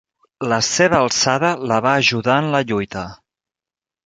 La seva alçada la va ajudar en la lluita.